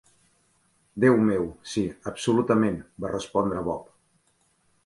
"Déu meu, sí, absolutament", va respondre Bob.